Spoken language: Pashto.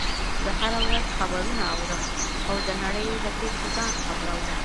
زه هره ورځ خبرونه اورم او د نړۍ له پیښو ځان خبر وم